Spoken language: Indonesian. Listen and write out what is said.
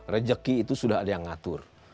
rejeki itu sudah ada yang ngatur